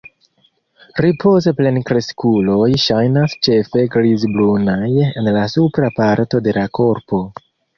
Ripoze plenkreskuloj ŝajnas ĉefe grizbrunaj en la supra parto de la korpo.